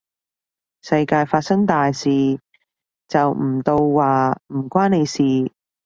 世界發生大事，就唔到話唔關你事